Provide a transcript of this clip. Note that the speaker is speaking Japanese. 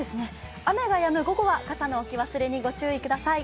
雨がやむ午後は、傘の置き忘れにご注意ください。